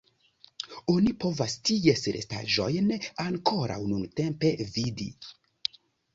Oni povas ties restaĵojn ankoraŭ nuntempe vidi.